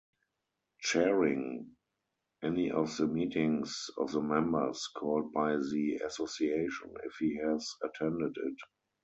Chairing any of the meetings of the members called by the Association if he has attended it.